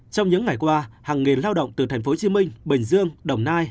trong những ngày qua hàng nghìn lao động từ thành phố hồ chí minh bình dương đồng nai